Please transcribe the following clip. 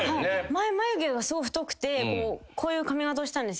前眉毛がすごく太くてこういう髪形をしてたんです。